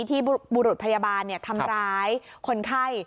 บุรุษพยาบาลทำร้ายคนไข้